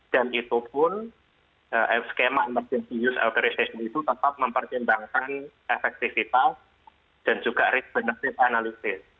dan itu pun skema emergency use authorization itu tetap mempertimbangkan efektivitas dan juga risk benefit analysis